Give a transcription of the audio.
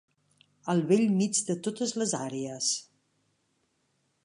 Al bell mig de totes les àrees.